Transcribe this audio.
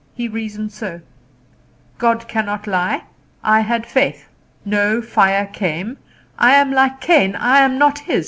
He reasoned so: "God cannot lie. I had faith. No fire came. I am like Cain I am not His.